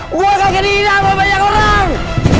gue kaget dinam sama banyak orang